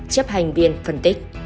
chấp hành viên phân tích